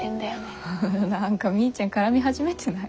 ハハハハ何かみーちゃん絡み始めてない？